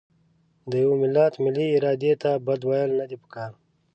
د یوه ملت ملي ارادې ته بد ویل نه دي پکار.